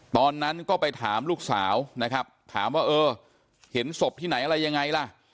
ตอนนั้นก็ไปถามลูกสาวนะครับถามว่าเออเห็นศพที่ไหนอะไรยังไงล่ะ